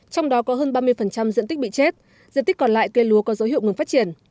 trong đó có hơn ba mươi diện tích bị chết diện tích còn lại cây lúa có dấu hiệu ngừng phát triển